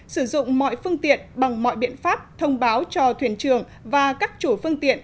sử dụng mọi phương tiện bằng mọi biện pháp thông báo cho thuyền trường và các chủ phương tiện